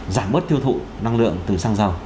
giảm bớt tiêu thụ năng lượng từ xăng dầu